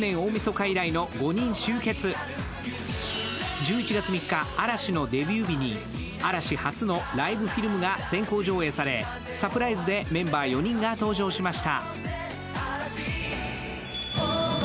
１１月３日の嵐のデビュー日に嵐初のライブフィルムが先行上映されサプライズでメンバー４人が登場しました。